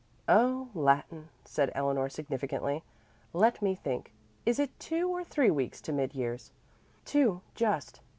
"Oh, Latin," said Eleanor significantly. "Let me think. Is it two or three weeks to mid years?" "Two, just."